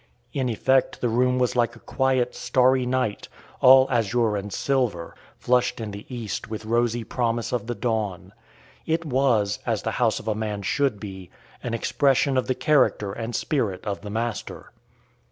In effect the room was like a quiet, starry night, all azure and silver, flushed in the East with rosy promise of the dawn. It was, as the house of a man should be, an expression of the character and spirit of the master.